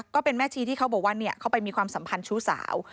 ก็เป็นแม่ชีที่เขาบอกว่าเขาไปมีความสัมพันธ์ชู้สาว